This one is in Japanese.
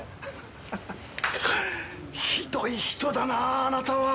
ひどい人だなぁあなたは！